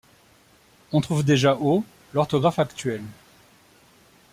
On trouve déjà au l'orthographe actuelle.